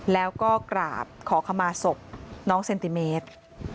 แล้วก็กราบขอขมาศพน้องเซนติเมตร